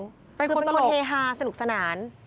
เป็นคนเฮฮาสนุกสนาน